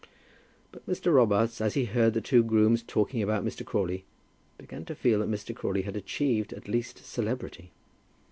But Mr. Robarts, as he heard the two grooms talking about Mr. Crawley, began to feel that Mr. Crawley had achieved at least celebrity.